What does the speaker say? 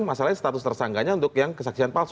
masalahnya status tersangkanya untuk yang kesaksian palsu